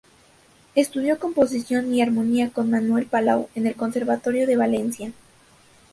Estudió composición y armonía con Manuel Palau en el Conservatorio de Valencia.